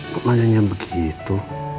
kok nanya nyanya begitu